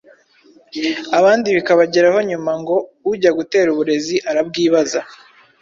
abandi bikabageraho nyuma; ngo ujya gutera uburezi arabwibaza.